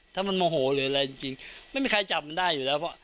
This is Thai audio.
ถ้ามันโมโหหรืออะไรจริงไม่มีใครจับมันได้อยู่แล้วเพราะ